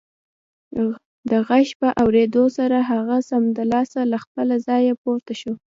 د غږ په اورېدو سره هغه سمدلاسه له خپله ځايه پورته شو